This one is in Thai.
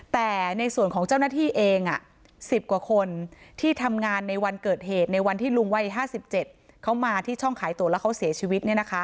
แต่ในส่วนของเจ้าหน้าที่เอง๑๐กว่าคนที่ทำงานในวันเกิดเหตุในวันที่ลุงวัย๕๗เขามาที่ช่องขายตัวแล้วเขาเสียชีวิต